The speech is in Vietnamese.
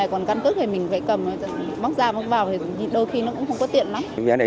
còn căn cứ thì mình phải cầm bóc ra bóc vào thì đôi khi nó cũng không có tiện lắm